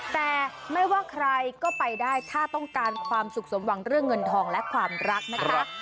แต่ไม่ว่าใครก็ไปได้ถ้าต้องการความสุขสมหวังเรื่องเงินทองและความรักนะคะ